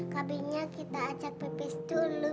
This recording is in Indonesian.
kabinnya kita ajak pipis dulu